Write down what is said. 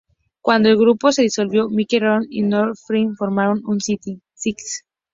Cuando el grupo se disolvió, Mike Sobieski y Nora Findlay formaron Sin City Six.